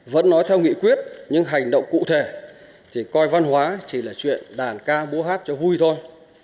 văn hóa cụ thể chỉ coi văn hóa chỉ là chuyện đàn ca búa hát cho vui thôi